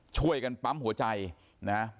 ช่วยกันปั๊มหัวใจนะ